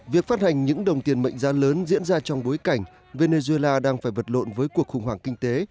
việc phát hành những đồng tiền mệnh giá lớn diễn ra trong bối cảnh venezuela đang phải vật lộn với cuộc khủng hoảng kinh tế